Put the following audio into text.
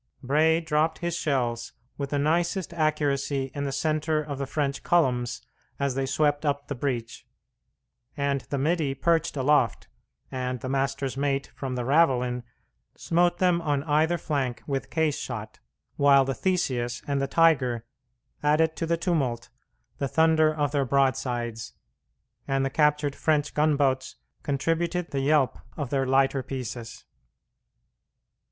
Bray dropped his shells with the nicest accuracy in the centre of the French columns as they swept up the breach, and the middy perched aloft, and the master's mate from the ravelin, smote them on either flank with case shot, while the Theseus and the Tigre added to the tumult the thunder of their broadsides, and the captured French gunboats contributed the yelp of their lighter pieces.